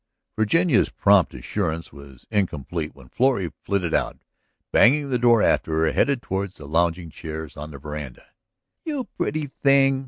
Virginia's prompt assurance was incomplete when Florrie flitted out, banging the door after her, headed toward the lounging chairs on the veranda. "You pretty thing!"